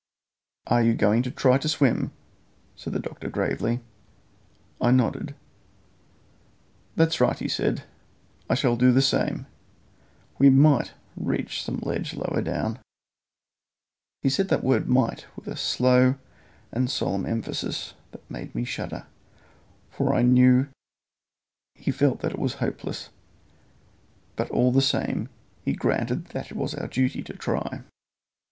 "Are you going to try to swim?" said the doctor gravely. I nodded. "That's right," he said. "I shall do the same. We might reach some ledge lower down." He said that word might with a slow solemn emphasis that made me shudder, for I knew he felt that it was hopeless; but all the same he granted that it was our duty to try.